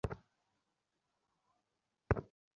কি যে বলেন!